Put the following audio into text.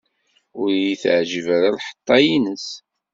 Ur iyi-teɛjib ara lḥeṭṭa-ines.